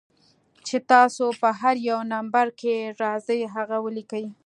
چې تاسو پۀ هر يو نمبر کښې راځئ هغه وليکئ